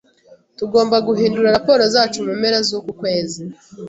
Tugomba guhindura raporo zacu mu mpera zuku kwezi.